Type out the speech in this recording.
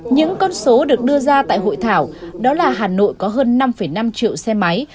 những con số được đưa ra tại hội thảo đó là hà nội có hơn năm năm triệu xe máy